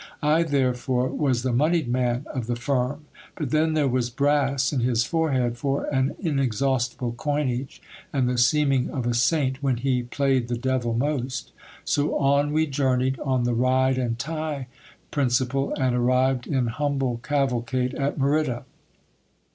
I therefore was the monied man of the firm ; but then there was brass in his forehead for an inexhaustible coinage, and the seeming of a saint when he flayed the devil most. So on we journeyed on the ride and tie principle, and arrived in humble cavalcade at Merida.